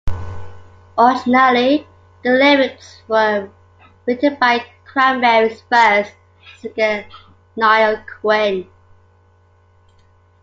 Originally, the lyrics were written by Cranberries' first singer Niall Quinn.